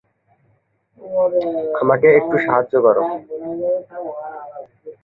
আমাকে একটু সাহায্য করো।